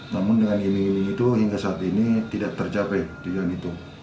namun dengan ini itu hingga saat ini tidak tercapai